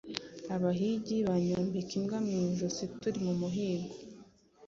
Abahigi banyambika imbwa mu ijosi turi mu muhigo